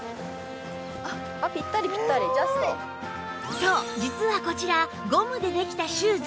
そう実はこちらゴムでできたシューズ